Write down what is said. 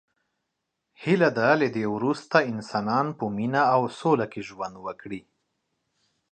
هیله ده له دی وروسته انسانان په مینه او سوله کې ژوند وکړي.